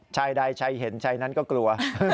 ชายใดชัยเห็นชายนั้นก็กลัว